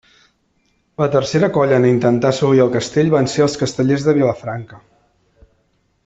La tercera colla en intentar assolir el castell van ser els Castellers de Vilafranca.